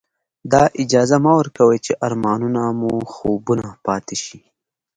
دا اجازه مه ورکوئ چې ارمانونه مو خوبونه پاتې شي.